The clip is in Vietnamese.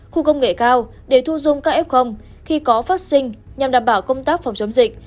khu công nghệ cao để thu dung các f khi có phát sinh nhằm đảm bảo công tác phòng chống dịch